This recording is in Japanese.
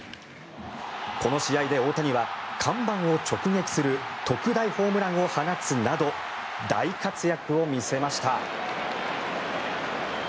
この試合で大谷は看板を直撃する特大ホームランを放つなど大活躍を見せました。